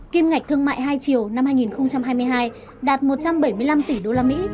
kim ngạch thương mại hai triều năm hai nghìn hai mươi hai đạt một trăm bảy mươi năm tỷ usd